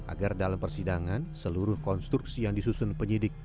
agar dalam persidangan seluruh konstruksi yang disusun penyidik